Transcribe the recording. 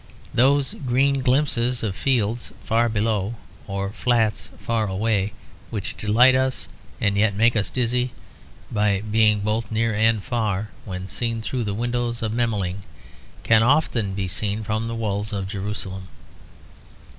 Those green glimpses of fields far below or of flats far away, which delight us and yet make us dizzy (by being both near and far) when seen through the windows of Memling, can often be seen from the walls of Jerusalem.